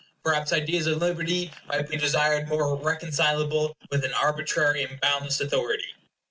Perhaps ideas of liberty might be desired more reconcilable with an arbitrary and boundless authority.